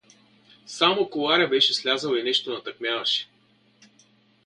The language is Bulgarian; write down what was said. Само коларят беше слязъл и нещо натъкмяваше.